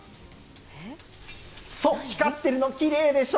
そう、光ってるのきれいでしょ？